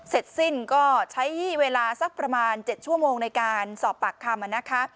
เสร็จสิ้นก็ใช้เวลาสักประมาณ๗ชั่วโมงในการสอบปากคำนะคะ